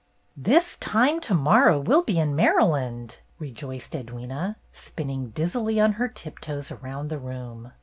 ''fTT^HIS time to morrow we'll be in I Maryland !" rejoiced Edwyna, spin ning dizzily on her tiptoes around the room.